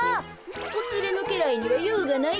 おつれのけらいにはようがないで。